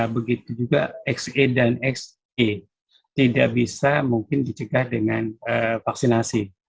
begitu juga xe dan xe tidak bisa mungkin dicegah dengan vaksinasi